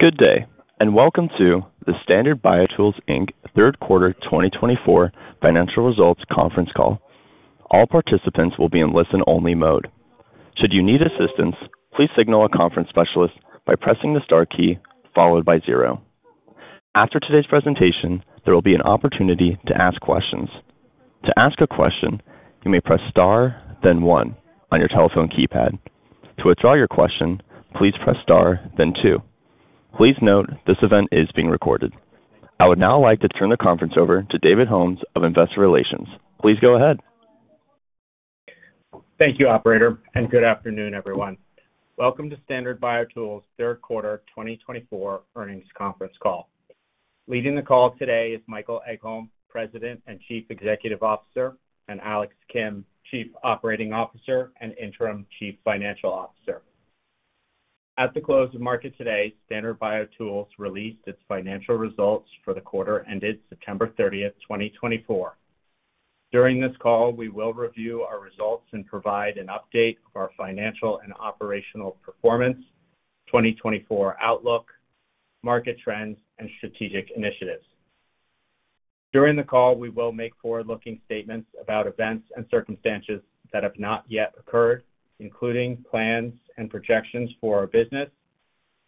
Good day, and welcome to the Standard BioTools Inc. Third Quarter 2024 Financial Results Conference Call. All participants will be in listen-only mode. Should you need assistance, please signal a conference specialist by pressing the star key followed by zero. After today's presentation, there will be an opportunity to ask questions. To ask a question, you may press star, then one on your telephone keypad. To withdraw your question, please press star, then two. Please note this event is being recorded. I would now like to turn the conference over to David Holmes of Investor Relations. Please go ahead. Thank you, Operator, and good afternoon, everyone. Welcome to Standard BioTools Third Quarter 2024 Earnings Conference Call. Leading the call today is Michael Egholm, President and Chief Executive Officer, and Alex Kim, Chief Operating Officer and Interim Chief Financial Officer. At the close of market today, Standard BioTools released its financial results for the quarter ended September 30, 2024. During this call, we will review our results and provide an update of our financial and operational performance, 2024 outlook, market trends, and strategic initiatives. During the call, we will make forward-looking statements about events and circumstances that have not yet occurred, including plans and projections for our business,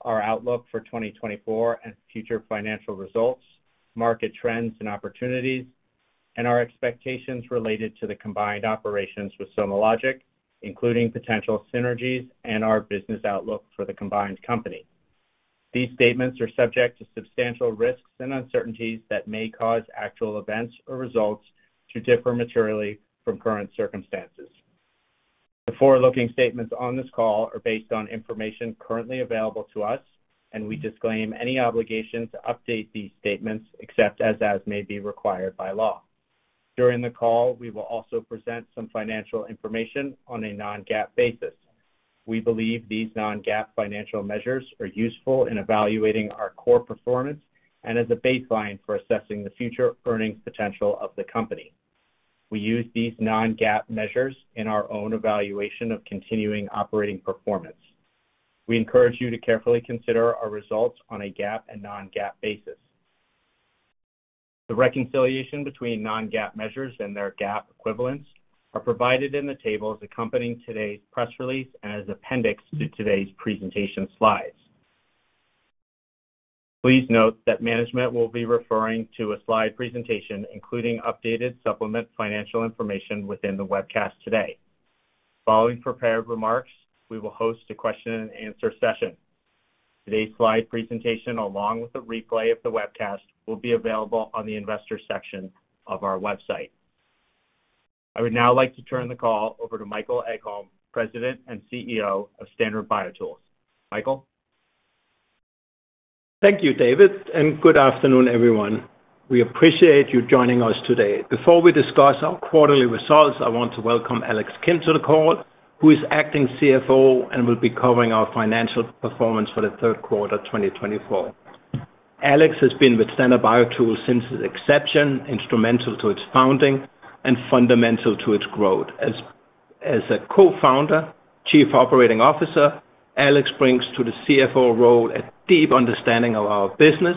our outlook for 2024 and future financial results, market trends and opportunities, and our expectations related to the combined operations with SomaLogic, including potential synergies and our business outlook for the combined company. These statements are subject to substantial risks and uncertainties that may cause actual events or results to differ materially from current circumstances. The forward-looking statements on this call are based on information currently available to us, and we disclaim any obligation to update these statements except as may be required by law. During the call, we will also present some financial information on a non-GAAP basis. We believe these non-GAAP financial measures are useful in evaluating our core performance and as a baseline for assessing the future earnings potential of the company. We use these non-GAAP measures in our own evaluation of continuing operating performance. We encourage you to carefully consider our results on a GAAP and non-GAAP basis. The reconciliation between non-GAAP measures and their GAAP equivalents are provided in the tables accompanying today's press release and as appendix to today's presentation slides. Please note that management will be referring to a slide presentation, including updated supplemental financial information within the webcast today. Following prepared remarks, we will host a question-and-answer session. Today's slide presentation, along with a replay of the webcast, will be available on the investor section of our website. I would now like to turn the call over to Michael Egholm, President and CEO of Standard BioTools. Michael. Thank you, David, and good afternoon, everyone. We appreciate you joining us today. Before we discuss our quarterly results, I want to welcome Alex Kim to the call, who is acting CFO and will be covering our financial performance for the third quarter 2024. Alex has been with Standard BioTools since its inception, instrumental to its founding and fundamental to its growth. As a co-founder, Chief Operating Officer, Alex brings to the CFO role a deep understanding of our business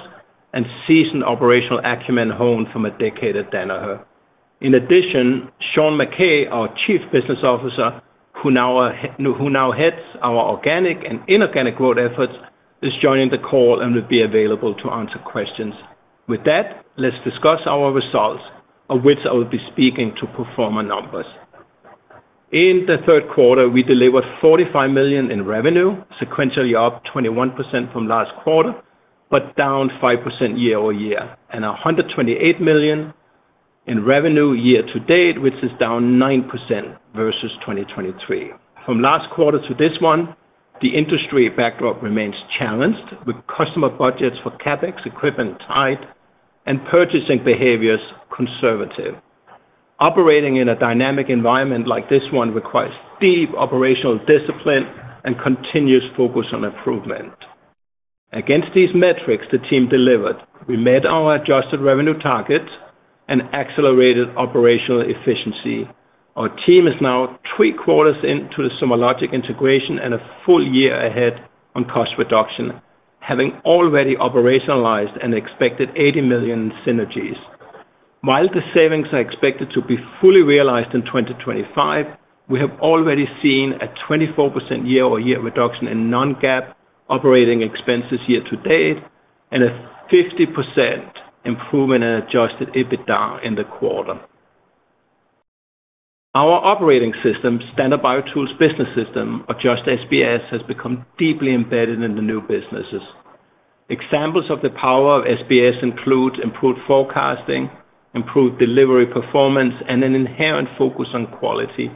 and seasoned operational acumen honed from a decade at Danaher. In addition, Sean MacKay, our Chief Business Officer, who now heads our organic and inorganic growth efforts, is joining the call and will be available to answer questions. With that, let's discuss our results, of which I will be speaking to performance numbers. In the third quarter, we delivered $45 million in revenue, sequentially up 21% from last quarter, but down 5% year-over-year, and $128 million in revenue year to date, which is down 9% versus 2023. From last quarter to this one, the industry backdrop remains challenged, with customer budgets for CapEx equipment tight and purchasing behaviors conservative. Operating in a dynamic environment like this one requires deep operational discipline and continuous focus on improvement. Against these metrics, the team delivered. We met our adjusted revenue targets and accelerated operational efficiency. Our team is now three quarters into the SomaLogic integration and a full year ahead on cost reduction, having already operationalized an expected $80 million in synergies. While the savings are expected to be fully realized in 2025, we have already seen a 24% year-over-year reduction in non-GAAP operating expenses year to date and a 50% improvement in adjusted EBITDA in the quarter. Our operating system, Standard BioTools Business System, SBS, has become deeply embedded in the new businesses. Examples of the power of SBS include improved forecasting, improved delivery performance, and an inherent focus on quality.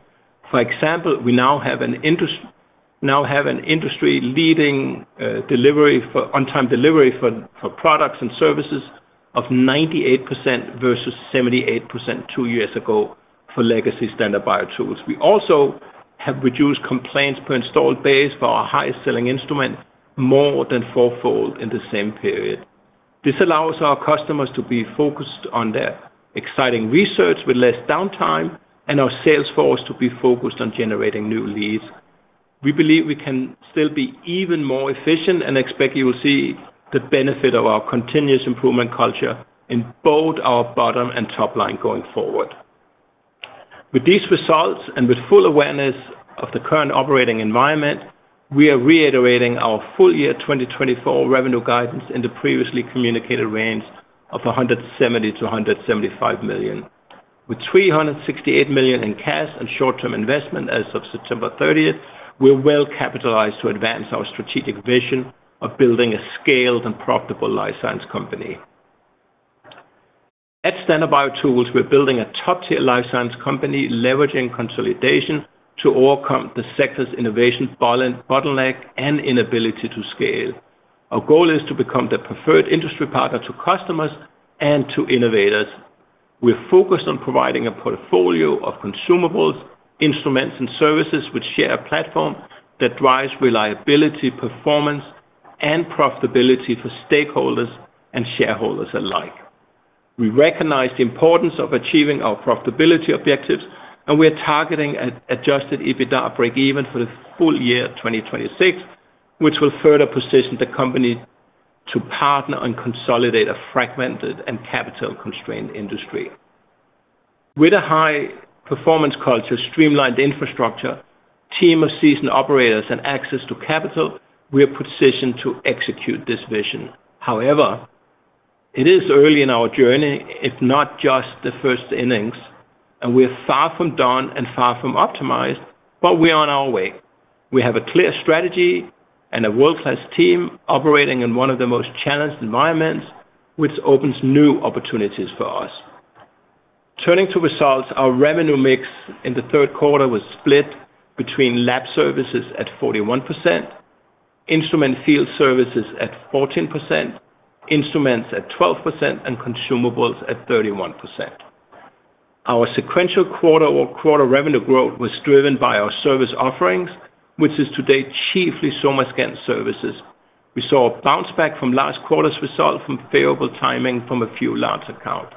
For example, we now have an industry-leading on-time delivery for products and services of 98% versus 78% two years ago for legacy Standard BioTools. We also have reduced complaints per installed base for our highest-selling instrument more than four-fold in the same period. This allows our customers to be focused on their exciting research with less downtime and our sales force to be focused on generating new leads. We believe we can still be even more efficient and expect you will see the benefit of our continuous improvement culture in both our bottom and top line going forward. With these results and with full awareness of the current operating environment, we are reiterating our full year 2024 revenue guidance in the previously communicated range of $170 million-$175 million. With $368 million in cash and short-term investment as of September 30, we're well capitalized to advance our strategic vision of building a scaled and profitable life science company. At Standard BioTools, we're building a top-tier life science company leveraging consolidation to overcome the sector's innovation bottleneck and inability to scale. Our goal is to become the preferred industry partner to customers and to innovators. We're focused on providing a portfolio of consumables, instruments, and services which share a platform that drives reliability, performance, and profitability for stakeholders and shareholders alike. We recognize the importance of achieving our profitability objectives, and we are targeting an Adjusted EBITDA break-even for the full year 2026, which will further position the company to partner and consolidate a fragmented and capital-constrained industry. With a high-performance culture, streamlined infrastructure, team of seasoned operators, and access to capital, we are positioned to execute this vision. However, it is early in our journey, if not just the first innings, and we are far from done and far from optimized, but we are on our way. We have a clear strategy and a world-class team operating in one of the most challenged environments, which opens new opportunities for us. Turning to results, our revenue mix in the third quarter was split between lab services at 41%, instrument field services at 14%, instruments at 12%, and consumables at 31%. Our sequential quarter-over-quarter revenue growth was driven by our service offerings, which is today chiefly SomaScan services. We saw a bounce back from last quarter's result from favorable timing from a few large accounts.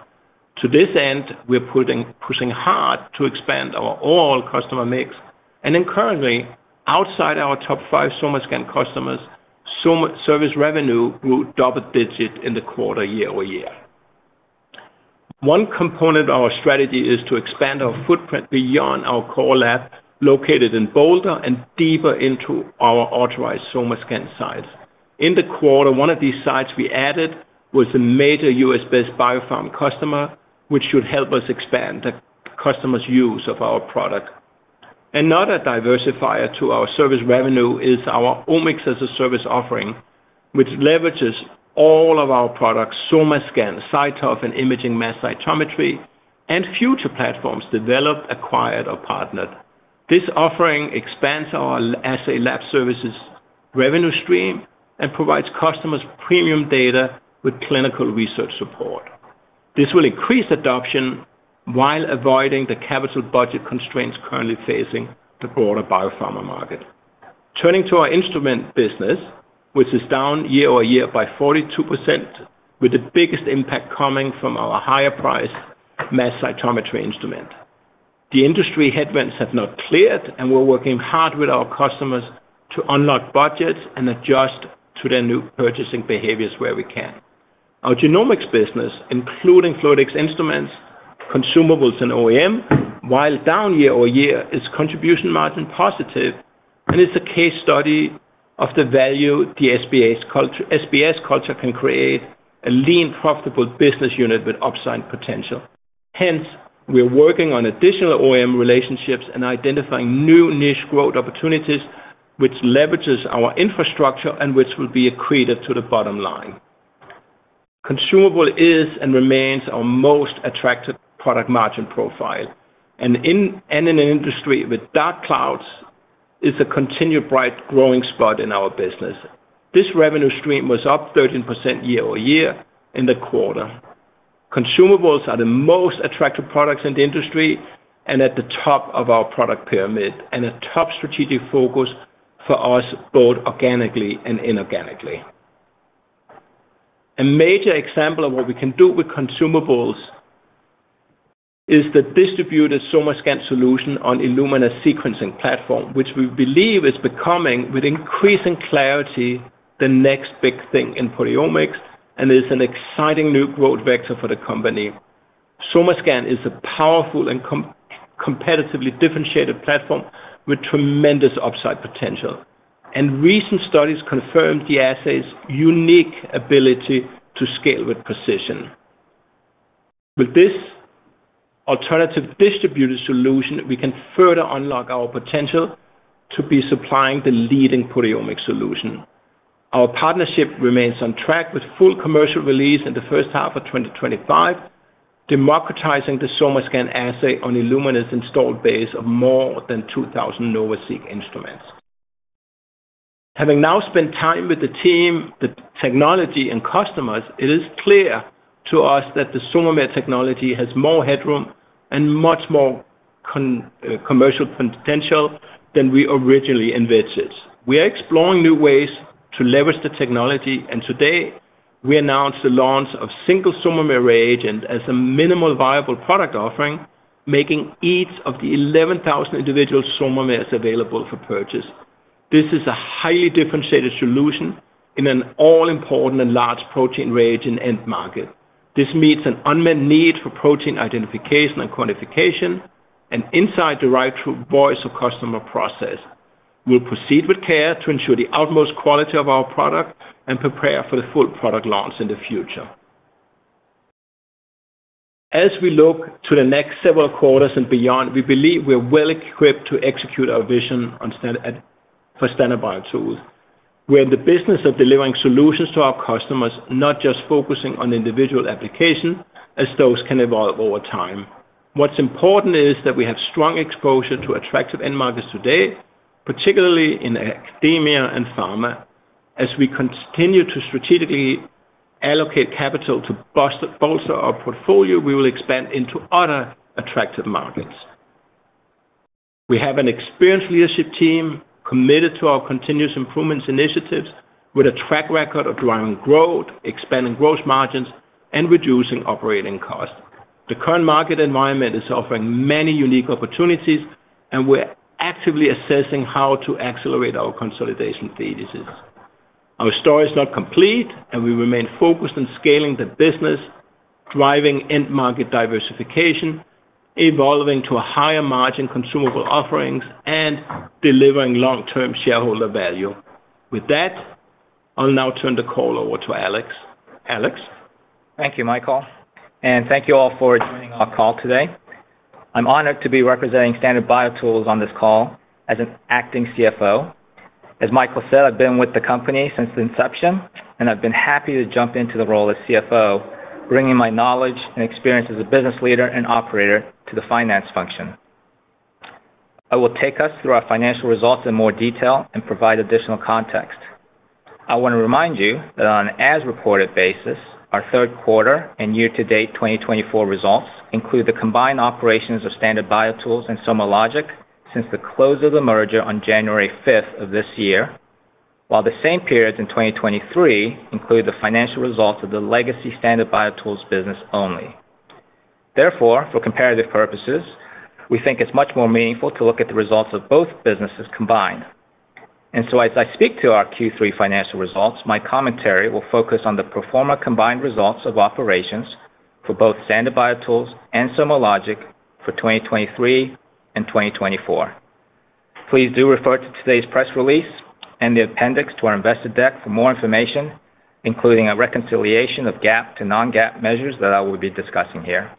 To this end, we are pushing hard to expand our overall customer mix, and currently, outside our top five SomaScan customers, service revenue grew double-digit in the quarter year-over-year. One component of our strategy is to expand our footprint beyond our core lab located in Boulder and deeper into our authorized SomaScan sites. In the quarter, one of these sites we added was a major U.S.-based biopharma customer, which should help us expand the customer's use of our product. Another diversifier to our service revenue is our Omics as a Service offering, which leverages all of our products: SomaScan, CyTOF, and Imaging Mass Cytometry, and future platforms developed, acquired, or partnered. This offering expands our assay lab services revenue stream and provides customers premium data with clinical research support. This will increase adoption while avoiding the capital budget constraints currently facing the broader biopharma market. Turning to our instrument business, which is down year-over-year by 42%, with the biggest impact coming from our higher-priced mass cytometry instrument. The industry headwinds have not cleared, and we're working hard with our customers to unlock budgets and adjust to their new purchasing behaviors where we can. Our genomics business, including Fluidigm instruments, consumables, and OEM, while down year-over-year, its contribution margin positive, and it's a case study of the value the SBS culture can create a lean, profitable business unit with upside potential. Hence, we are working on additional OEM relationships and identifying new niche growth opportunities, which leverages our infrastructure and which will be accretive to the bottom line. Consumable is and remains our most attractive product margin profile, and in an industry with dark clouds, it's a continued bright growing spot in our business. This revenue stream was up 13% year-over-year in the quarter. Consumables are the most attractive products in the industry and at the top of our product pyramid, and a top strategic focus for us both organically and inorganically. A major example of what we can do with consumables is the distributed SomaScan solution on Illumina sequencing platform, which we believe is becoming, with increasing clarity, the next big thing in proteomics, and it's an exciting new growth vector for the company. SomaScan is a powerful and competitively differentiated platform with tremendous upside potential, and recent studies confirm the assay's unique ability to scale with precision. With this alternative distributed solution, we can further unlock our potential to be supplying the leading proteomics solution. Our partnership remains on track with full commercial release in the first half of 2025, democratizing the SomaScan assay on Illumina's installed base of more than 2,000 NovaSeq instruments. Having now spent time with the team, the technology, and customers, it is clear to us that the SOMAmer technology has more headroom and much more commercial potential than we originally envisaged. We are exploring new ways to leverage the technology, and today we announced the launch of Single SOMAmer reagent as a Minimal Viable Product offering, making each of the 11,000 individual SOMAmers available for purchase. This is a highly differentiated solution in an all-important and large protein reagent end market. This meets an unmet need for protein identification and quantification and insight into the right choice of customer process. We'll proceed with care to ensure the utmost quality of our product and prepare for the full product launch in the future. As we look to the next several quarters and beyond, we believe we are well equipped to execute our vision for Standard BioTools. We're in the business of delivering solutions to our customers, not just focusing on individual applications, as those can evolve over time. What's important is that we have strong exposure to attractive end markets today, particularly in academia and pharma. As we continue to strategically allocate capital to bolster our portfolio, we will expand into other attractive markets. We have an experienced leadership team committed to our continuous improvements initiatives with a track record of driving growth, expanding gross margins, and reducing operating costs. The current market environment is offering many unique opportunities, and we're actively assessing how to accelerate our consolidation thesis. Our story is not complete, and we remain focused on scaling the business, driving end market diversification, evolving to higher-margin consumable offerings, and delivering long-term shareholder value. With that, I'll now turn the call over to Alex. Alex. Thank you, Michael, and thank you all for joining our call today. I'm honored to be representing Standard BioTools on this call as an acting CFO. As Michael said, I've been with the company since the inception, and I've been happy to jump into the role as CFO, bringing my knowledge and experience as a business leader and operator to the finance function. I will take us through our financial results in more detail and provide additional context. I want to remind you that on an as-reported basis, our third quarter and year-to-date 2024 results include the combined operations of Standard BioTools and SomaLogic since the close of the merger on January 5 of this year, while the same periods in 2023 include the financial results of the legacy Standard BioTools business only. Therefore, for comparative purposes, we think it's much more meaningful to look at the results of both businesses combined. As I speak to our Q3 financial results, my commentary will focus on the post-merger combined results of operations for both Standard BioTools and SomaLogic for 2023 and 2024. Please do refer to today's press release and the appendix to our investor deck for more information, including a reconciliation of GAAP to non-GAAP measures that I will be discussing here.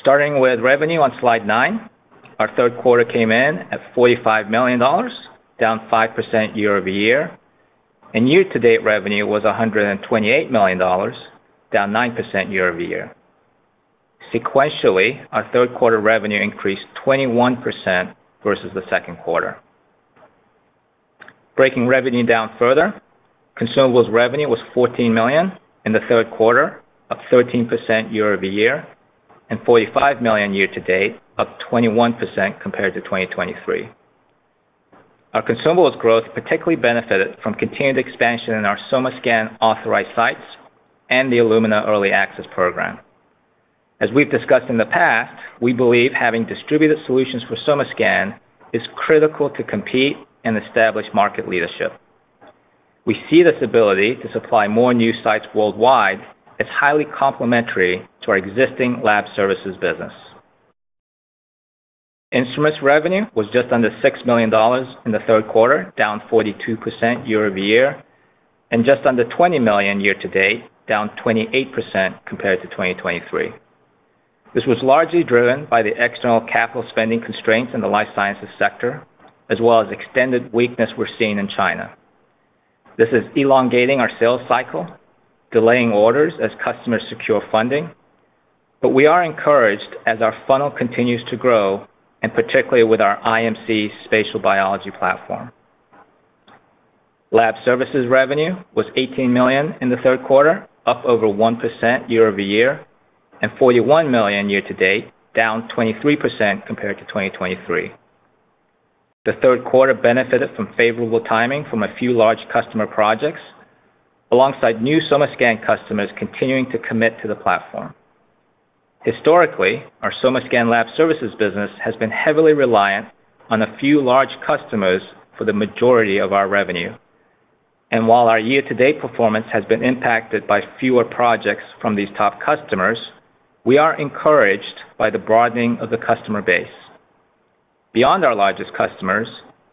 Starting with revenue on slide nine, our third quarter came in at $45 million, down 5% year-over-year, and year-to-date revenue was $128 million, down 9% year-over-year. Sequentially, our third quarter revenue increased 21% versus the second quarter. Breaking revenue down further, consumables revenue was $14 million in the third quarter, up 13% year-over-year, and $45 million year-to-date, up 21% compared to 2023. Our consumables growth particularly benefited from continued expansion in our SomaScan's authorized sites and the Illumina Early Access program. As we've discussed in the past, we believe having distributed solutions for SomaScan is critical to compete and establish market leadership. We see this ability to supply more new sites worldwide as highly complementary to our existing lab services business. Instruments revenue was just under $6 million in the third quarter, down 42% year-over-year, and just under $20 million year-to-date, down 28% compared to 2023. This was largely driven by the external capital spending constraints in the life sciences sector, as well as extended weakness we're seeing in China. This is elongating our sales cycle, delaying orders as customers secure funding, but we are encouraged as our funnel continues to grow, and particularly with our IMC spatial biology platform. Lab services revenue was $18 million in the third quarter, up over 1% year-over-year, and $41 million year-to-date, down 23% compared to 2023. The third quarter benefited from favorable timing from a few large customer projects, alongside new SomaScan customers continuing to commit to the platform. Historically, our SomaScan lab services business has been heavily reliant on a few large customers for the majority of our revenue. And while our year-to-date performance has been impacted by fewer projects from these top customers, we are encouraged by the broadening of the customer base. Beyond our largest customers,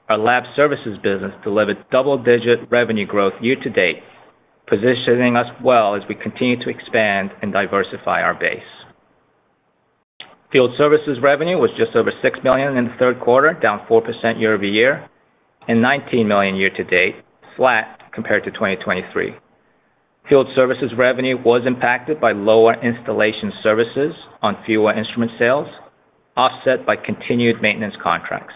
our lab services business delivered double-digit revenue growth year-to-date, positioning us well as we continue to expand and diversify our base. Field services revenue was just over $6 million in the third quarter, down 4% year-over-year, and $19 million year-to-date, flat compared to 2023. Field services revenue was impacted by lower installation services on fewer instrument sales, offset by continued maintenance contracts.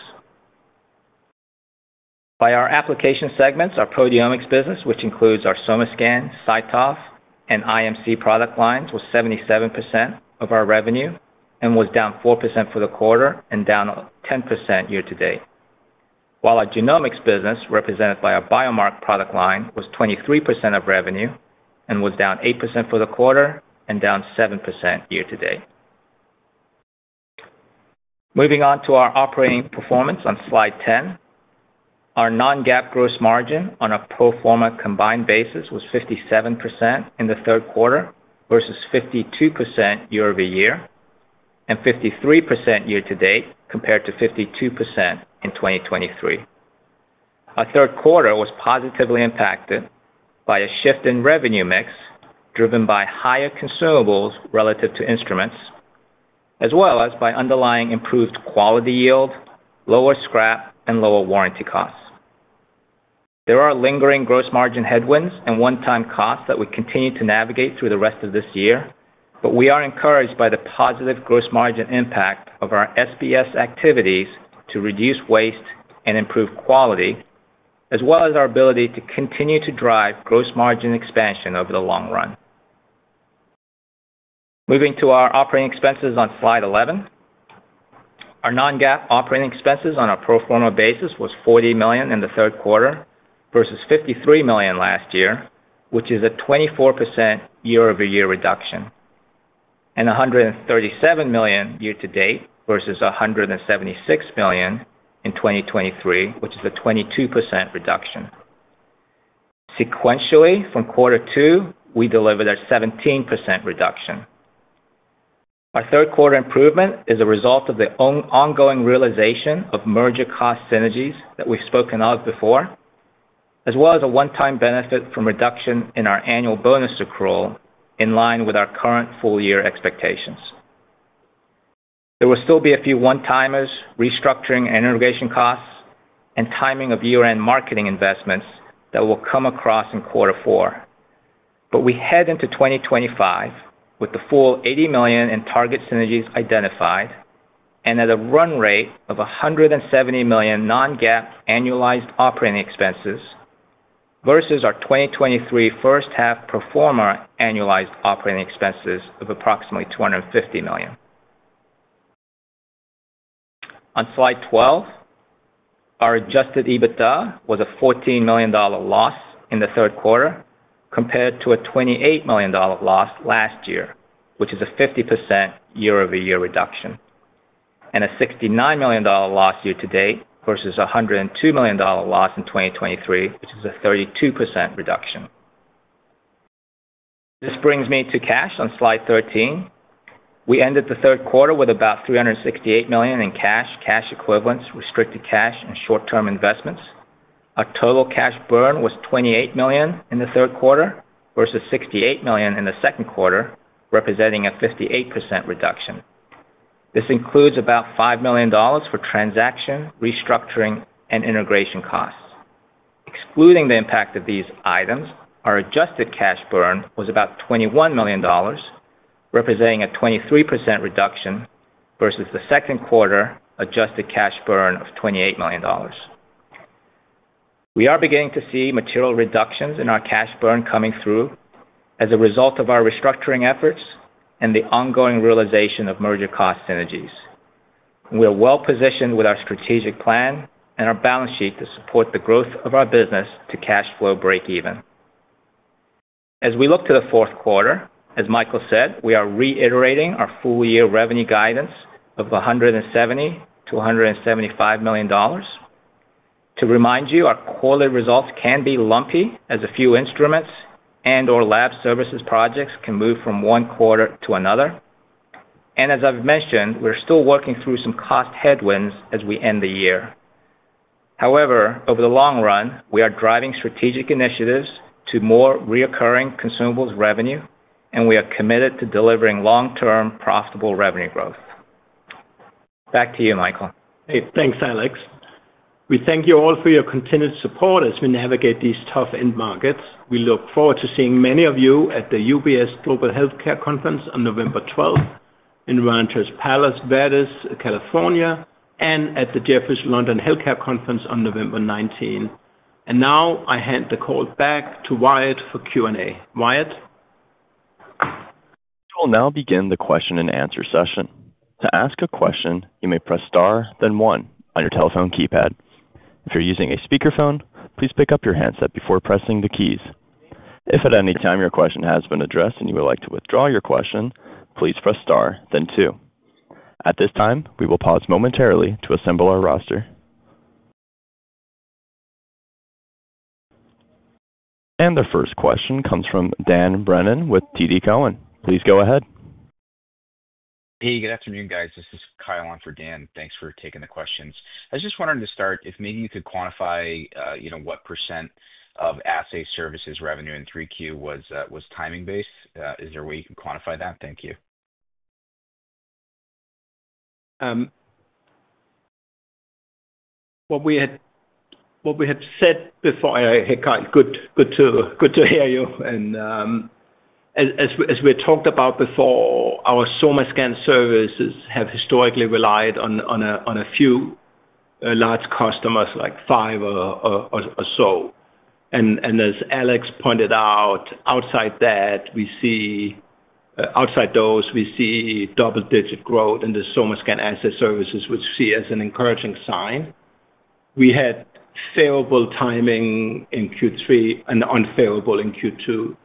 By our application segments, our proteomics business, which includes our SomaScan, CyTOF, and IMC product lines, was 77% of our revenue and was down 4% for the quarter and down 10% year-to-date. While our genomics business, represented by our Biomark product line, was 23% of revenue and was down 8% for the quarter and down 7% year-to-date. Moving on to our operating performance on slide 10, our non-GAAP gross margin on a pro forma combined basis was 57% in the third quarter versus 52% year-over-year, and 53% year-to-date compared to 52% in 2023. Our third quarter was positively impacted by a shift in revenue mix driven by higher consumables relative to instruments, as well as by underlying improved quality yield, lower scrap, and lower warranty costs. There are lingering gross margin headwinds and one-time costs that we continue to navigate through the rest of this year, but we are encouraged by the positive gross margin impact of our SBS activities to reduce waste and improve quality, as well as our ability to continue to drive gross margin expansion over the long run. Moving to our operating expenses on slide 11, our non-GAAP operating expenses on a pro forma basis was $40 million in the third quarter versus $53 million last year, which is a 24% year-over-year reduction, and $137 million year-to-date versus $176 million in 2023, which is a 22% reduction. Sequentially, from quarter two, we delivered a 17% reduction. Our third quarter improvement is a result of the ongoing realization of merger cost synergies that we've spoken of before, as well as a one-time benefit from reduction in our annual bonus accrual in line with our current full-year expectations. There will still be a few one-timers, restructuring and integration costs, and timing of year-end marketing investments that will come across in quarter four. But we head into 2025 with the full $80 million in target synergies identified and at a run rate of $170 million Non-GAAP annualized operating expenses versus our 2023 first-half performance annualized operating expenses of approximately $250 million. On slide 12, our Adjusted EBITDA was a $14 million loss in the third quarter compared to a $28 million loss last year, which is a 50% year-over-year reduction, and a $69 million loss year-to-date versus a $102 million loss in 2023, which is a 32% reduction. This brings me to cash on slide 13. We ended the third quarter with about $368 million in cash, cash equivalents, restricted cash, and short-term investments. Our total cash burn was $28 million in the third quarter versus $68 million in the second quarter, representing a 58% reduction. This includes about $5 million for transaction, restructuring, and integration costs. Excluding the impact of these items, our adjusted cash burn was about $21 million, representing a 23% reduction versus the second quarter adjusted cash burn of $28 million. We are beginning to see material reductions in our cash burn coming through as a result of our restructuring efforts and the ongoing realization of merger cost synergies. We are well positioned with our strategic plan and our balance sheet to support the growth of our business to cash flow breakeven. As we look to the fourth quarter, as Michael said, we are reiterating our full-year revenue guidance of $170 million-$175 million. To remind you, our quarterly results can be lumpy as a few instruments and/or lab services projects can move from one quarter to another. And as I've mentioned, we're still working through some cost headwinds as we end the year. However, over the long run, we are driving strategic initiatives to more recurring consumables revenue, and we are committed to delivering long-term profitable revenue growth. Back to you, Michael. Hey, thanks, Alex. We thank you all for your continued support as we navigate these tough end markets. We look forward to seeing many of you at the UBS Global Healthcare Conference on November 12 in Rancho Palos Verdes, California, and at the Jefferies' London Healthcare Conference on November 19. And now I hand the call back to Wyatt for Q&A. Wyatt. We will now begin the question-and-answer session. To ask a question, you may press star, then one on your telephone keypad. If you're using a speakerphone, please pick up your handset before pressing the keys. If at any time your question has been addressed and you would like to withdraw your question, please press star, then two. At this time, we will pause momentarily to assemble our roster. And the first question comes from Dan Brennan with TD Cowen. Please go ahead. Hey, good afternoon, guys. This is Kyle on for Dan. Thanks for taking the questions. I was just wondering to start if maybe you could quantify what % of assay services revenue in 3Q was timing-based. Is there a way you can quantify that? Thank you. What we had said before. Hey, Kyle, good to hear you. As we had talked about before, our SomaScan services have historically relied on a few large customers, like five or so. And as Alex pointed out, outside those we see double-digit growth in the SomaScan assay services, which we see as an encouraging sign. We had favorable timing in Q3 and unfavorable in Q2.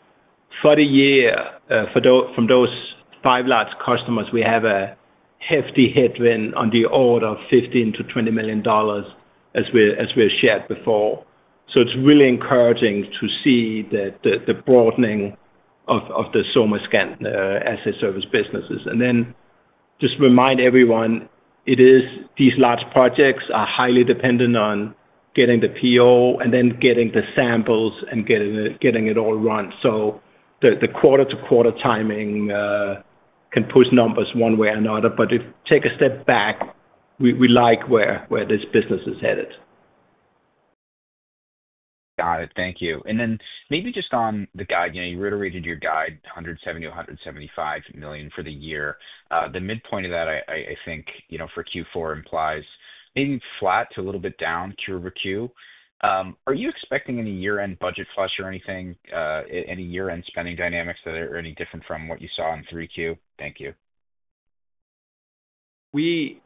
For the year, from those five large customers, we have a hefty headwind on the order of $15 million-$20 million, as we had shared before. So it's really encouraging to see the broadening of the SomaScan assay service businesses. And then just remind everyone, these large projects are highly dependent on getting the PO and then getting the samples and getting it all run. So the quarter-to-quarter timing can push numbers one way or another. But if you take a step back, we like where this business is headed. Got it. Thank you. Then maybe just on the guide. You reiterated your guide, $170 million-$175 million for the year. The midpoint of that, I think, for Q4 implies maybe flat to a little bit down Q-over-Q. Are you expecting any year-end budget flush or anything, any year-end spending dynamics that are any different from what you saw in 3Q? Thank you. We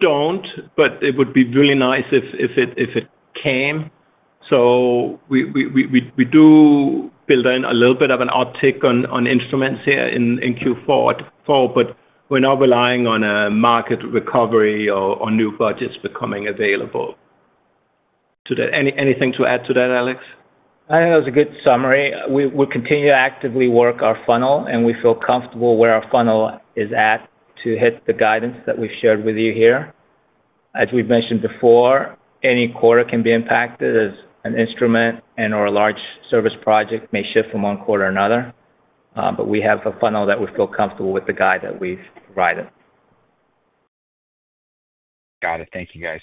don't, but it would be really nice if it came. We do build in a little bit of an uptick on instruments here in Q4, but we're not relying on a market recovery or new budgets becoming available. Anything to add to that, Alex? I think that was a good summary. We'll continue to actively work our funnel, and we feel comfortable where our funnel is at to hit the guidance that we've shared with you here. As we've mentioned before, any quarter can be impacted as an instrument and/or a large service project may shift from one quarter to another. But we have a funnel that we feel comfortable with the guide that we've provided. Got it. Thank you, guys.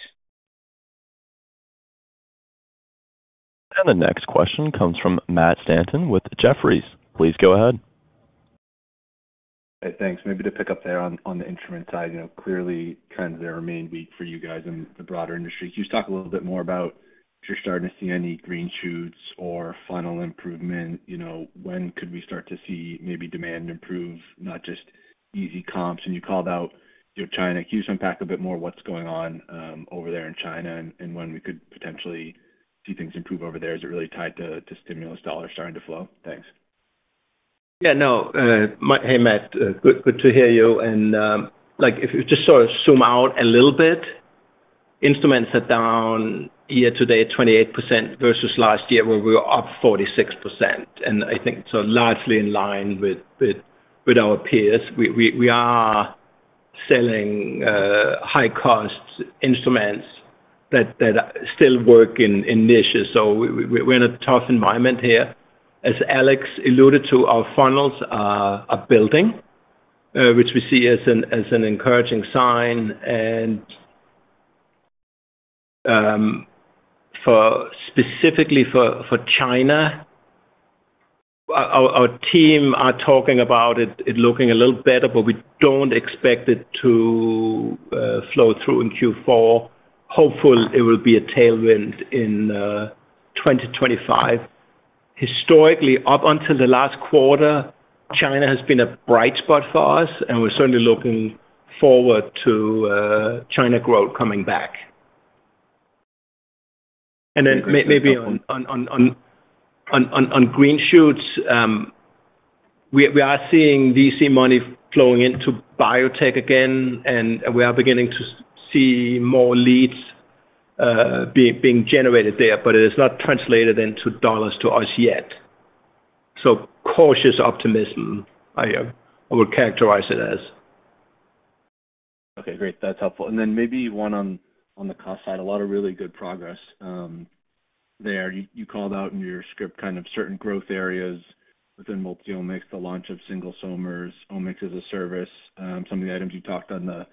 And the next question comes from Matt Stanton with Jefferies. Please go ahead. Thanks. Maybe to pick up there on the instrument side, clearly trends that remain weak for you guys in the broader industry. Can you just talk a little bit more about if you're starting to see any green shoots or funnel improvement? When could we start to see maybe demand improve, not just easy comps? And you called out China. Can you just unpack a bit more what's going on over there in China and when we could potentially see things improve over there? Is it really tied to stimulus dollars starting to flow? Thanks. Yeah. No. Hey, Matt. Good to hear you, and if you just sort of zoom out a little bit, instruments are down year-to-date 28% versus last year where we were up 46%. I think it's largely in line with our peers. We are selling high-cost instruments that still work in niches, so we're in a tough environment here. As Alex alluded to, our funnels are building, which we see as an encouraging sign, and specifically for China, our team are talking about it looking a little better, but we don't expect it to flow through in Q4. Hopefully, it will be a tailwind in 2025. Historically, up until the last quarter, China has been a bright spot for us, and we're certainly looking forward to China growth coming back. And then maybe on green shoots, we are seeing VC money flowing into biotech again, and we are beginning to see more leads being generated there, but it is not translated into dollars to us yet. So cautious optimism, I would characterize it as. Okay. Great. That's helpful. And then maybe one on the cost side, a lot of really good progress there. You called out in your script kind of certain growth areas within multi-omics, the launch of single SOMAmer, Omics as a Service, some of the items you talked on the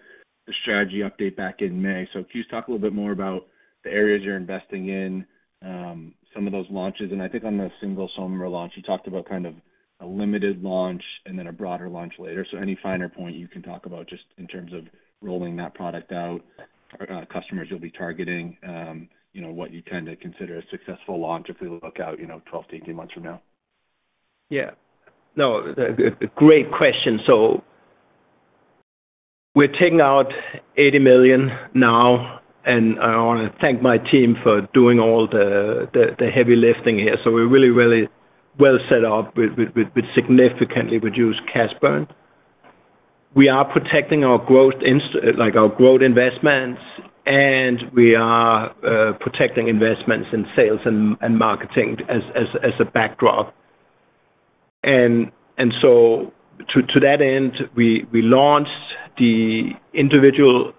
strategy update back in May. So can you just talk a little bit more about the areas you're investing in, some of those launches? And I think on the single SOMAmer launch, you talked about kind of a limited launch and then a broader launch later. So any finer point you can talk about just in terms of rolling that product out, customers you'll be targeting, what you tend to consider a successful launch if we look out 12-18 months from now? Yeah. No. Great question. So we're taking out $80 million now, and I want to thank my team for doing all the heavy lifting here. So we're really, really well set up with significantly reduced cash burn. We are protecting our growth investments, and we are protecting investments in sales and marketing as a backdrop. And so to that end, we launched the individual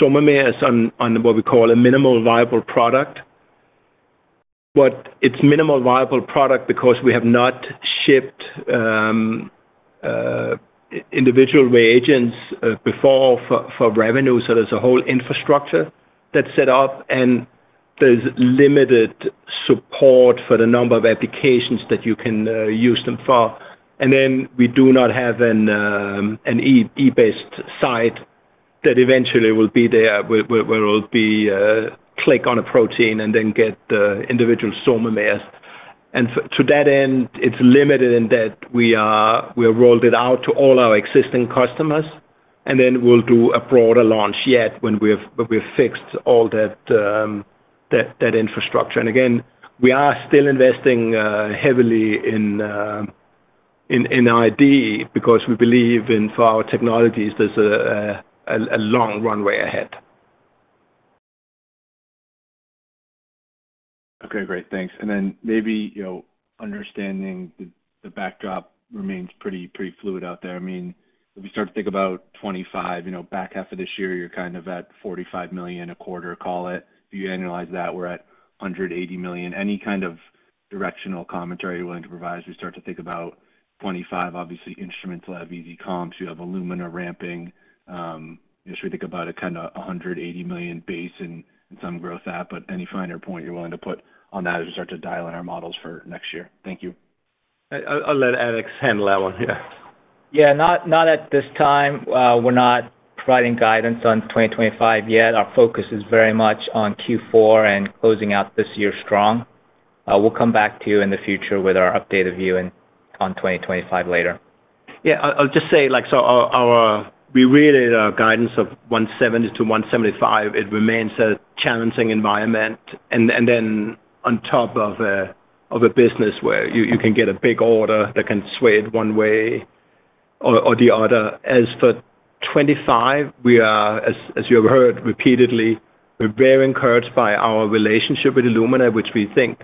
SOMAmers as what we call a minimal viable product. But it's minimal viable product because we have not shipped individual reagents before for revenue. So there's a whole infrastructure that's set up, and there's limited support for the number of applications that you can use them for. And then we do not have a web-based site that eventually will be there where we'll click on a protein and then get the individual SOMAmers. And to that end, it's limited in that we have rolled it out to all our existing customers, and then we'll do a broader launch yet when we've fixed all that infrastructure. And again, we are still investing heavily in R&D because we believe in our technologies. There's a long runway ahead. Okay. Great. Thanks. And then maybe understanding the backdrop remains pretty fluid out there. I mean, if we start to think about 2025, back half of this year, you're kind of at $45 million a quarter, call it. If you annualize that, we're at $180 million. Any kind of directional commentary you're willing to provide as we start to think about 2025? Obviously, instruments will have easy comps. You have Illumina ramping. So we think about a kind of $180 million base and some growth that. But any finer point you're willing to put on that as we start to dial in our models for next year? Thank you. I'll let Alex handle that one. Yeah. Yeah. Not at this time. We're not providing guidance on 2025 yet. Our focus is very much on Q4 and closing out this year strong. We'll come back to you in the future with our updated view on 2025 later. Yeah. I'll just say, so we really are guidance of $170 million-$175 million. It remains a challenging environment. And then on top of a business where you can get a big order that can sway it one way or the other. As for '25, we are, as you have heard repeatedly, we're very encouraged by our relationship with Illumina, which we think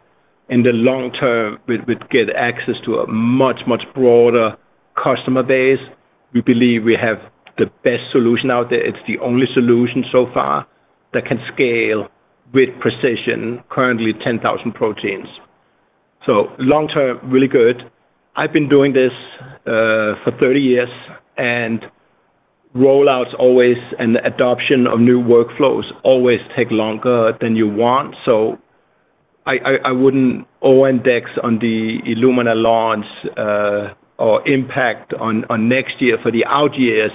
in the long term would get access to a much, much broader customer base. We believe we have the best solution out there. It's the only solution so far that can scale with precision, currently 10,000 proteins. So long-term, really good. I've been doing this for 30 years, and rollouts always and adoption of new workflows always take longer than you want. So I wouldn't over-index on the Illumina launch or impact on next year. For the out years,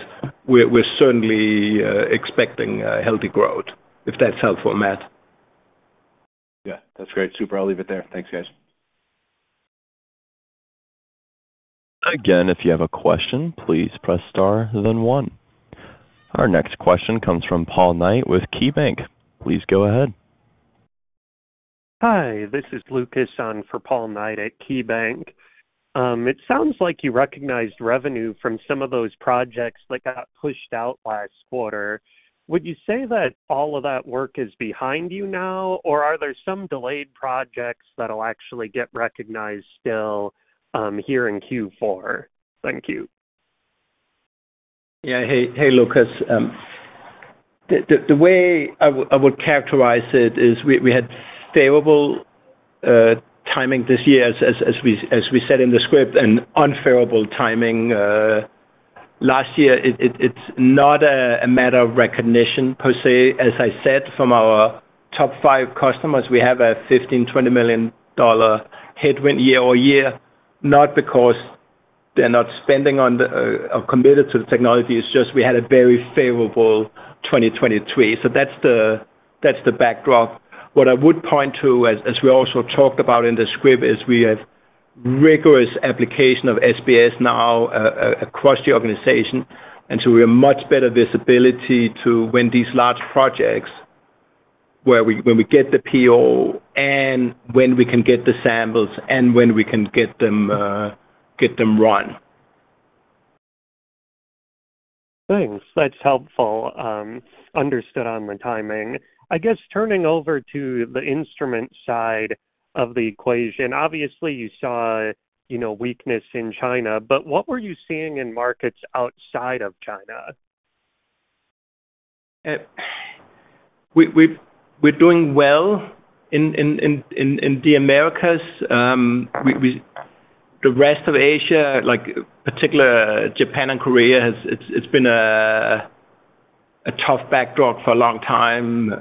we're certainly expecting healthy growth, if that's helpful, Matt. Yeah. That's great. Super. I'll leave it there. Thanks, guys. Again, if you have a question, please press star, then one. Our next question comes from Paul Knight with KeyBanc. Please go ahead. Hi. This is Lucas for Paul Knight at KeyBanc. It sounds like you recognized revenue from some of those projects that got pushed out last quarter. Would you say that all of that work is behind you now, or are there some delayed projects that'll actually get recognized still here in Q4? Thank you. Yeah. Hey, Lucas. The way I would characterize it is we had favorable timing this year, as we said in the script, and unfavorable timing last year. It's not a matter of recognition per se. As I said, from our top five customers, we have a $15 million-$20 million headwind year-over-year, not because they're not spending on or committed to the technology. It's just we had a very favorable 2023. So that's the backdrop. What I would point to, as we also talked about in the script, is we have rigorous application of SBS now across the organization. And so we have much better visibility to win these large projects when we get the PO and when we can get the samples and when we can get them run. Thanks. That's helpful. Understood on the timing. I guess turning over to the instrument side of the equation. Obviously, you saw weakness in China, but what were you seeing in markets outside of China? We're doing well in the Americas. The rest of Asia, particularly Japan and Korea, it's been a tough backdrop for a long time,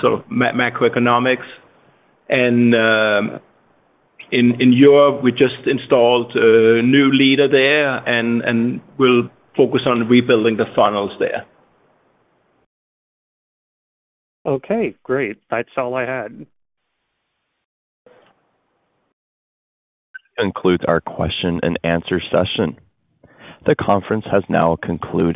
sort of macroeconomics. And in Europe, we just installed a new leader there, and we'll focus on rebuilding the funnels there. Okay. Great. That's all I had. That concludes our question-and-answer session. The conference has now concluded.